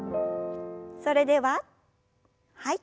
それでははい。